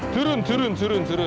turun turun turun turun